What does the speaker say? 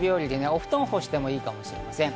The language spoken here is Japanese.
お布団を干してもいいかもしれません。